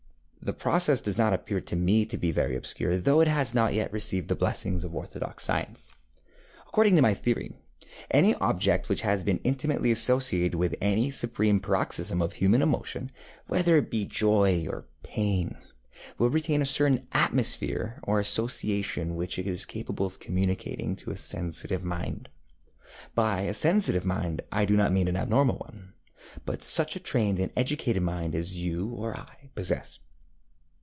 The process does not appear to me to be very obscure, though it has not yet received the blessing of orthodox science. According to my theory, any object which has been intimately associated with any supreme paroxysm of human emotion, whether it be joy or pain, will retain a certain atmosphere or association which it is capable of communicating to a sensitive mind. By a sensitive mind I do not mean an abnormal one, but such a trained and educated mind as you or I possess.